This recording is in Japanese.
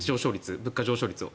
物価上昇率を。